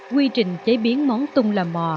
quy trình chế biến món tung lò mò